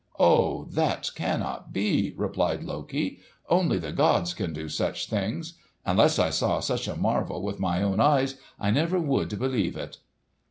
"Oh, that cannot be!" replied Loki. "Only the gods can do such things. Unless I saw such a marvel with my own eyes, I never would believe it."